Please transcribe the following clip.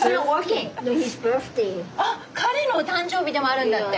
あっ彼のお誕生日でもあるんだって。